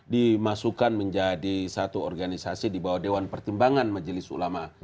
dimasukkan menjadi satu organisasi di bawah dewan pertimbangan majelis ulama